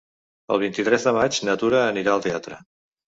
El vint-i-tres de maig na Tura anirà al teatre.